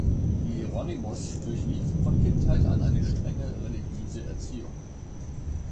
Hieronymus durchlief von Kindheit an eine strenge, religiöse Erziehung.